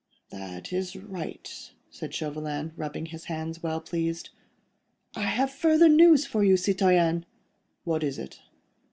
"That is right," said Chauvelin, rubbing his hands, well pleased. "I have further news for you, citoyen." "What is it?"